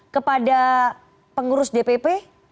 kepada pengurus dpp